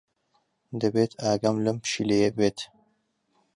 دەبێت ئاگام لەم پشیلەیە بێت.